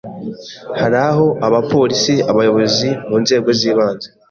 hari aho abapolisi, abayobozi mu nzego z’ibanze